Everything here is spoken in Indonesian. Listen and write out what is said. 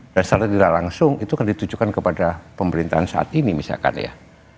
dan secara tidak langsung itu akan ditujukan kepada pemerintahan saat ini misalkan ya